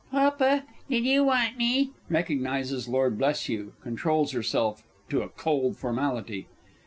_ Papa, did you want me? (_Recognises Lord B. controls herself to a cold formality.